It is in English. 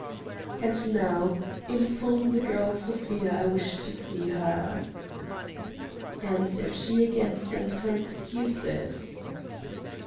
"And now, inform the girl Sofia I wish to see her." "And if she again sends her excuses?"